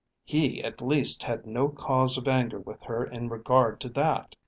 He at least had no cause of anger with her in regard to that.